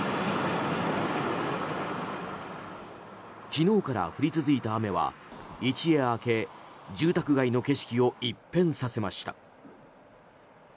昨日から降り続いた雨は一夜明け住宅街の景色を一変させました。